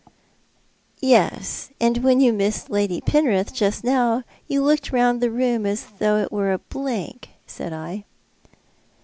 " Yet, when you missed Lady Penrith just now you looked round the room as if it were a blank," said I.